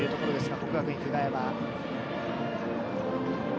國學院久我山。